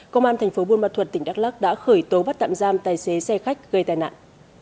công an thành phố buôn ma thuật tỉnh đắk lắc đã khởi tố bắt tạm giam tài xế xe khách gây tai nạn